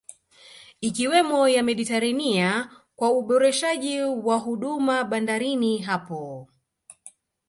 Ikiwemo ya Mediterania kwa uboreshaji wa huduma bandarini hapo